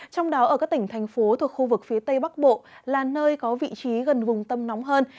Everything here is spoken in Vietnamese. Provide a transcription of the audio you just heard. trong đó ở các tỉnh thành phố thuộc khu vực phía tây bắc bộ là nơi có vị trí gần vùng tâm nóng hơn